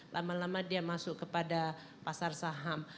lama lama dia masuk kepada pasar saham